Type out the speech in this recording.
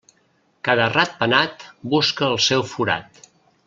Cada ratpenat busca el seu forat.